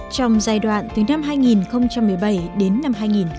trong giai đoạn từ năm hai nghìn một mươi bảy đến năm hai nghìn hai mươi